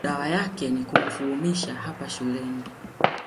dawa yake ni kumfulumisha hapa shuleni